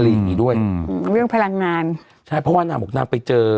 อย่างงี้ด้วยอืมเรื่องพลังงานใช่เพราะว่านางบอกนางไปเจอ